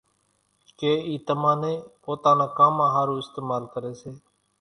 ڪي اِي تمان نين پوتا نان ڪامان ۿارُو استعمال ڪري۔